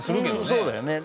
うんそうだよね。